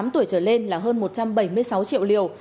một mươi tám tuổi trở lên là hơn một trăm bảy mươi sáu triệu liều